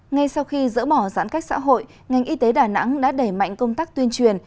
ngay sau khi dỡ bỏ giãn cách xã hội ngành y tế đà nẵng đã đẩy mạnh công tác tuyên truyền